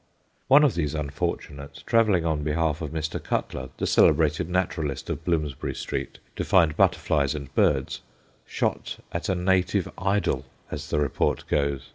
One of these unfortunates, travelling on behalf of Mr. Cutler, the celebrated naturalist of Bloomsbury Street, to find butterflies and birds, shot at a native idol, as the report goes.